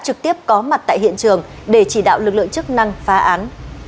trực tiếp có mặt tại hiện trường để chỉ đạo lực lượng chức năng phá án